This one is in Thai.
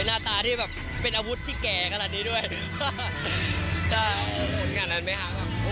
หน้าตาที่แบบเป็นอาวุธที่แก่ขนาดนี้ด้วยจะเอาหมุนขนาดนั้นไหมคะแบบ